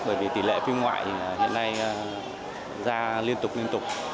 bởi vì tỷ lệ phim ngoại thì hiện nay ra liên tục liên tục